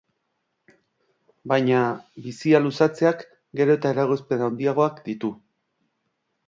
Baina bizia luzatzeak gero eta eragozpen handiagoak ditu.